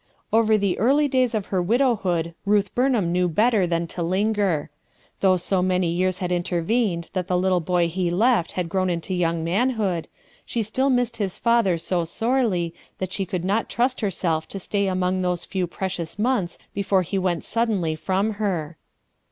Over the early days of her widowhood Ruth Burnham knew better than to linger. Though so many years had intervened that the little boy he left had grown to young manhood, she still missed his father so sorely that she could not trust herself to stay among those few precious months before he went suddenly from her.